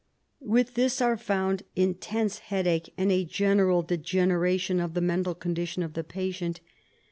With this are found intense headache and a general de generation of the mental condition of the patient.